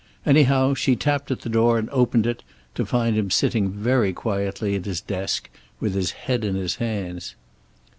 Anyhow, she tapped at the door and opened it, to find him sitting very quietly at his desk with his head in his hands.